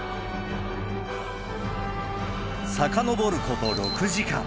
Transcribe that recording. さかのぼること６時間。